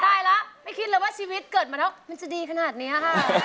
ได้แล้วไม่คิดเลยว่าชีวิตเกิดมาแล้วมันจะดีขนาดนี้ค่ะ